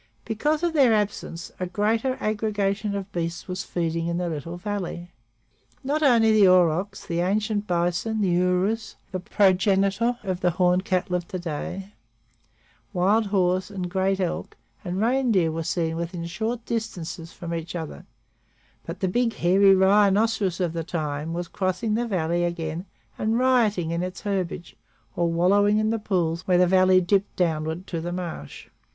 Because of their absence, a greater aggregation of beasts was feeding in the little valley. Not only the aurochs, the ancient bison, the urus, the progenitor of the horned cattle of to day, wild horse and great elk and reindeer were seen within short distances from each other, but the big, hairy rhinoceros of the time was crossing the valley again and rioting in its herbage or wallowing in the pools where the valley dipped downward to the marsh.